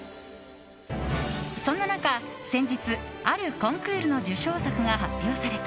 そんな中、先日あるコンクールの受賞作が発表された。